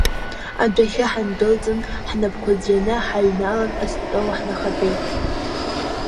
Адәахьы ҳандәылҵын, ҳнапқәа ӡәӡәаны ҳааҩналан, астол ҳнахатәеит.